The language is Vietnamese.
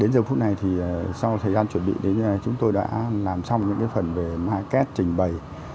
sau thời gian chuẩn bị chúng tôi đã làm xong những phần về market trình bày